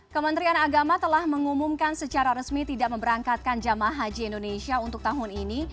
kementerian agama telah mengumumkan secara resmi tidak memberangkatkan jamaah haji indonesia untuk tahun ini